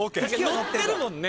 乗ってるもんね。